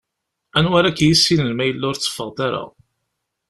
Anwa ara k-yissinen ma yella ur tetteffɣeḍ ara?